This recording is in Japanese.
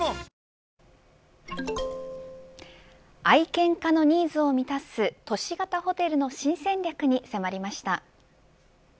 愛犬家のニーズを満たす都市型ホテルの新戦略に迫りました。